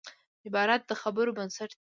عبارت د خبرو بنسټ دئ.